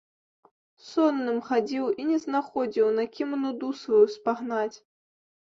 Сонным хадзіў і не знаходзіў, на кім нуду сваю спагнаць.